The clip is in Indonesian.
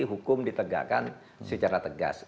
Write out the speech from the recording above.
hukum ditegakkan secara tegas